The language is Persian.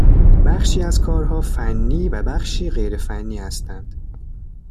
بخشی از کارها فنی و بخشی غیر فنی هستند